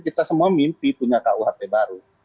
kita semua mimpi punya kuhp baru